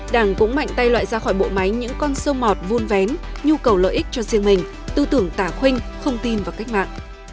đảng cũng mạnh tay loại ra khỏi bộ máy những con sơ mọt vuôn vén nhu cầu lợi ích cho riêng mình tư tưởng tả khuynh không tin vào cách mạng